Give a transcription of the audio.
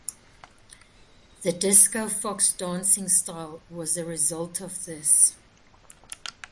The discofox dancing style was a result of this.